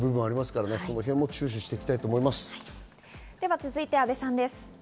続いては阿部さんです。